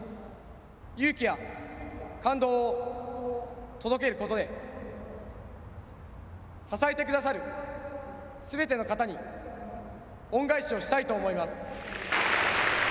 勇気や感動を届けることで支えてくださるすべての方に恩返しをしたいと思います。